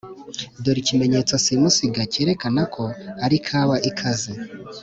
dore ikimenyetso simusiga cyarekana ko ari kawa ikaze